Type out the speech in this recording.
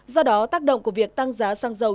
do đó tác động của việc tăng giá xăng dầu